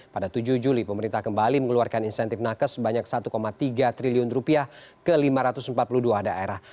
pada tujuh juli pemerintah kembali mengeluarkan insentif nakes sebanyak satu tiga triliun ke lima ratus empat puluh dua daerah